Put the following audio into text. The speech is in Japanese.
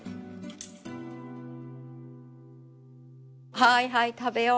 はいはい食べよう。